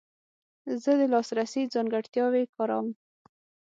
زه د لاسرسي ځانګړتیاوې کاروم.